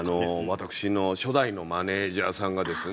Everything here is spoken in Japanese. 私の初代のマネージャーさんがですね